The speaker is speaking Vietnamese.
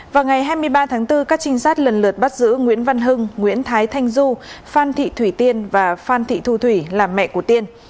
vào ngày hai mươi ba tháng bốn các trinh sát lần lượt bắt giữ nguyễn văn hưng nguyễn thái thanh du phan thị thủy tiên và phan thị thu thủy là mẹ của tiên